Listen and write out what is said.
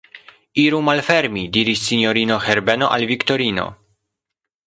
Iru malfermi, diris sinjorino Herbeno al Viktorino.